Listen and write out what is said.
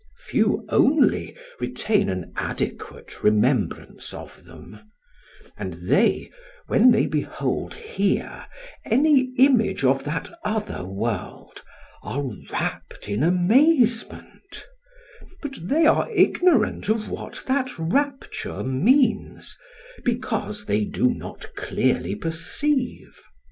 Few only retain an adequate remembrance of them; and they, when they behold here any image of that other world, are rapt in amazement; but they are ignorant of what that rapture means, because they do not clearly perceive.